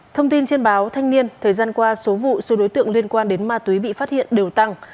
thông tin trên báo thanh niên thời gian qua số vụ số đối tượng liên quan đến ma túy bị phát hiện đều tăng